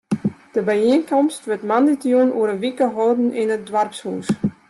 De byienkomst wurdt moandeitejûn oer in wike holden yn it doarpshûs.